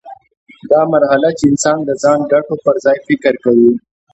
دا مرحله چې انسان د ځان ګټو پر ځای فکر کوي.